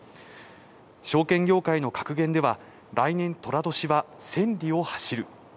証券業界の格言では、来年とら年は千里を走る。